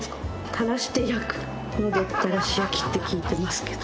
垂らして焼くのでたらし焼きって聞いてますけど。